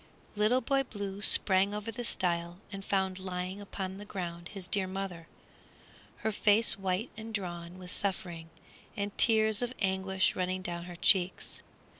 Little Boy Blue sprang over the stile and found lying upon the ground his dear mother, her face white and drawn with suffering, and tears of anguish running down her cheeks.